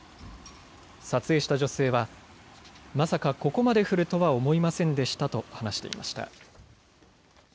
撮影した女性はまさかここまで降るとは思いませんでしたと話していました。